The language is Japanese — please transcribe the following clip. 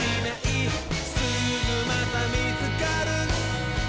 「すぐまたみつかる」